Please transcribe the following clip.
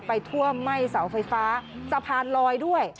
ท่วมไหม้เสาไฟฟ้าสะพานลอยด้วย